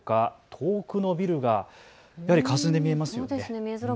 遠くのビルがかすんで見えますよね。